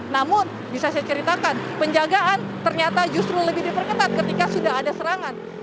namun bisa saya ceritakan penjagaan ternyata justru lebih diperketat ketika sudah ada serangan